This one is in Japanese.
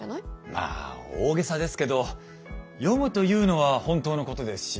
まあ大げさですけど「読む」というのは本当のことですし。